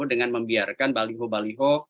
dengan membiarkan baliho baliho